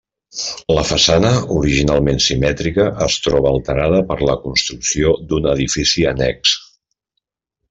La façana, originalment simètrica, es troba alterada per la construcció d'un edifici annex.